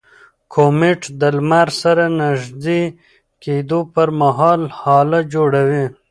کومیټ د لمر سره نژدې کېدو پر مهال هاله جوړوي.